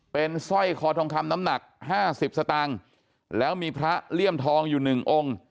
เป็นสร้อยคอทองคำน้ำหนักห้าสิบสตางค์แล้วมีพระเลี่ยมทองอยู่หนึ่งองค์